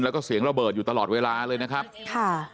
แล้วก็เสียงระเบิดอยู่ตลอดเวลาเลยนะครับค่ะ